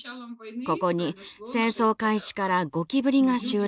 ここに戦争開始からゴキブリが襲来しました。